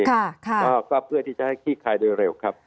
ก็เพื่อที่จะให้ขี้คายโดยเร็วครับ